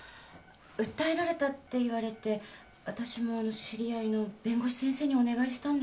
訴えられたって言われてわたしも知り合いの弁護士先生にお願いしたんですけど。